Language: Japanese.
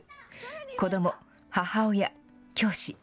子ども、母親、教師。